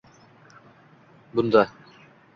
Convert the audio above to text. Bunda